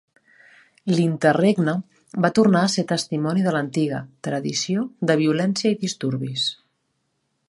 L'interregne va tornar a ser testimoni de l'antiga "tradició" de violència i disturbis.